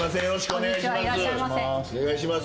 お願いします。